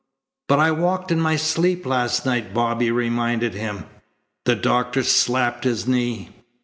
"But I walked in my sleep last night," Bobby reminded him. The doctor slapped his knee.